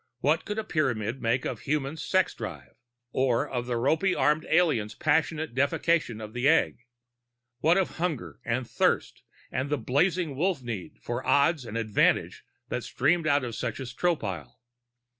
What could a Pyramid make of a human's sex drive? Or of the ropy armed aliens' passionate deification of the Egg? What of hunger and thirst and the blazing Wolf need for odds and advantage that streamed out of such as Tropile?